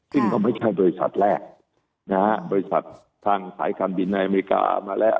ซึ่งก็ไม่ใช่บริษัทแรกนะฮะบริษัททางสายการบินในอเมริกามาแล้ว